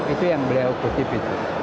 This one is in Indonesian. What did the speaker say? itu yang beliau kutip itu